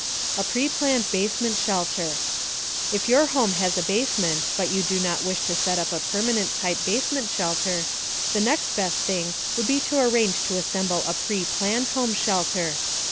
A PREPLANNED BASEMENT SHELTER. If your home has a basement but you do not wish to set up a permanent type basement shelter, the next best thing would be to arrange to assemble a "preplanned" home shelter.